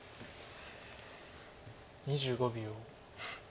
２５秒。